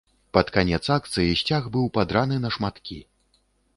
Пад канец акцыі сцяг быў падраны на шматкі.